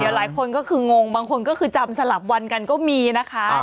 หลายคนก็คืองงบางคนก็คือจำสลับวันกันก็มีนะคะ